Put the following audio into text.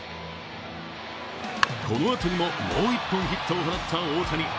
このあとにも、もう１本ヒットを放った大谷。